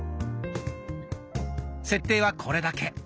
設定はこれだけ。